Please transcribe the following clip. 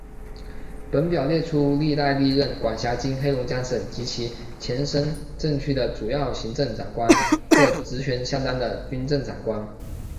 本表列出历代历任管辖今黑龙江省及其前身政区的主要行政长官或职权相当的军政长官。